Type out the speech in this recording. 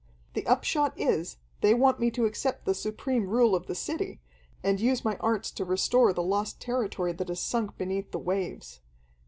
"The upshot is, they want me to accept the supreme rule of the city, and use my arts to restore the lost territory that has sunk beneath the waves.